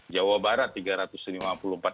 di tempat kright